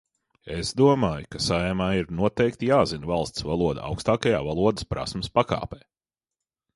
Es domāju, ka Saeimā ir noteikti jāzina valsts valoda augstākajā valodas prasmes pakāpē.